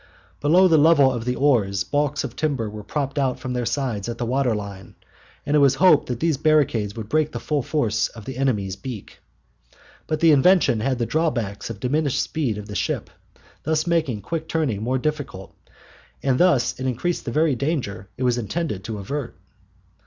Below the level of the oars, balks of timber were propped out from their sides at the water line, and it was hoped that these barricades would break the full force of an enemy's "beak." But the invention had the drawback of diminishing the speed of the ship, and making quick turning more difficult, and thus it increased the very danger it was intended to avert.